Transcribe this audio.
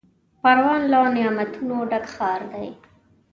پروان له نعمتونو ډک ښار دی.